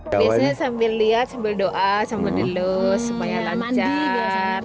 biasanya sambil lihat sambil doa sambil dielus supaya lancar